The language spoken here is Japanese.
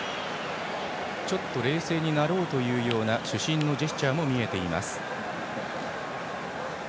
ちょっと冷静になろうというような主審のジェスチャーも見えています。